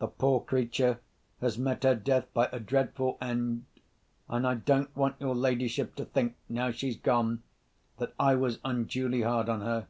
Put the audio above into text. The poor creature has met her death by a dreadful end, and I don't want your ladyship to think, now she's gone, that I was unduly hard on her.